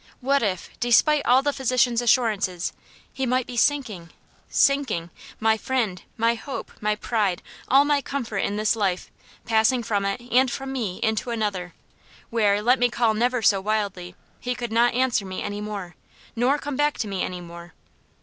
What if, despite all the physician's assurances, he might be sinking, sinking my friend, my hope, my pride, all my comfort in this life passing from it and from me into another, where, let me call never so wildly, he could not answer me any more, nor come back to me any more.